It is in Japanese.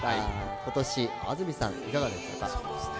今年、安住さん、いかがでしたか？